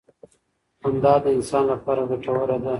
خندا د انسان لپاره ګټوره ده.